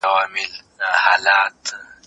پښتو ته په ډیجیټل عصر کې نوې ساه ورکړئ.